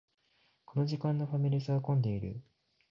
この時間のファミレスは混んでいる